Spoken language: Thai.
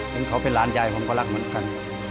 เห็นเขาเป็นหลานยายผมก็รักเหมือนกัน